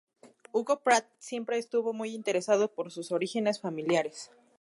Hugo Pratt siempre estuvo muy interesado por sus orígenes familiares.